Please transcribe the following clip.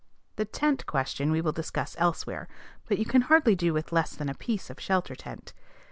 The tent question we will discuss elsewhere; but you can hardly do with less than a piece of shelter tent.